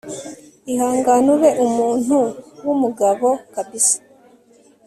ihangane ube umuntu wumugabo kabsa